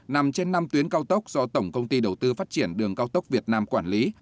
nằm trên năm tuyến cao tốc do tổng công ty đầu tư phát triển đường cao tốc việt nam quản lý